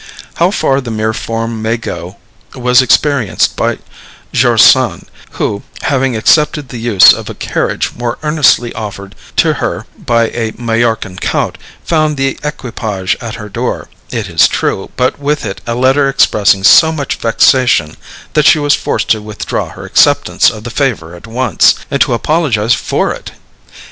How far the mere form may go was experienced by George Sand, who, having accepted the use of a carriage most earnestly offered to her by a Majorcan count, found the equipage at her door, it is true, but with it a letter expressing so much vexation, that she was forced to withdraw her acceptance of the favor at once, and to apologize for it!